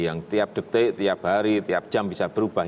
yang tiap detik tiap hari tiap jam bisa berubah